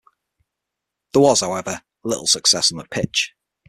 There was, however, little success on the pitch.